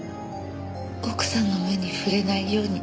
奥さんの目に触れないように。